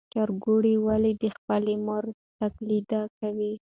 چرګوړي ولې د خپلې مور تقلید کوي؟